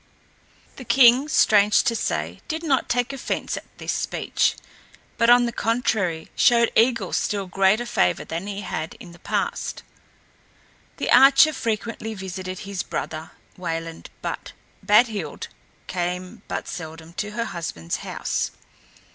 The king, strange to say, did not take offense at this speech, but on the contrary showed Eigil still greater favor than he had in the past. The archer frequently visited his brother Wayland, but Badhild came but seldom to her husband's house.